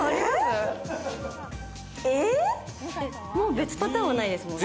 別パターンはないですもんね？